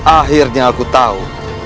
akhirnya aku tahu